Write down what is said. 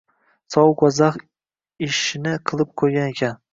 sovuq va zax ishini qilib qo`ygan ekan